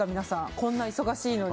こんな忙しいのに。